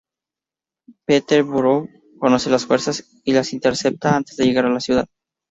Peterborough conoce las fuerzas y las intercepta antes de llegar a la ciudad.